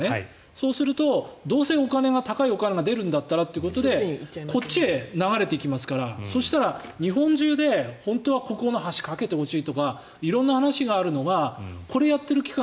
そうするとどうせ高いお金が出るんだったらということでこっちへ流れていきますからそしたら日本中で本当はここの橋を架けてほしいとか色んな話があるのがこれをやっている期間